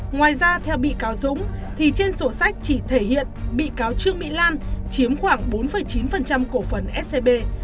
ngoài ra theo bị cáo dũng thì trên sổ sách chỉ thể hiện bị cáo trương mỹ lan chiếm khoảng bốn chín cổ phấn scb